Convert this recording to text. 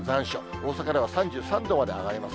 大阪では３３度まで上がります。